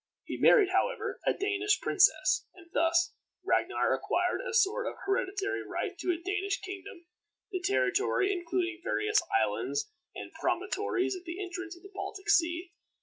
He married, however, a Danish princess, and thus Ragnar acquired a sort of hereditary right to a Danish kingdom the territory including various islands and promontories at the entrance of the Baltic Sea.